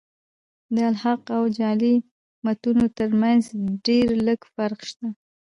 د الحاق او جعلي متونو ترمتځ ډېر لږ فرق سته.